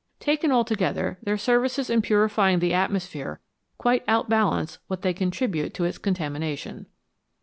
Taken altogether, their services in purify ing the atmosphere quite outbalance what they contri bute to its contamination.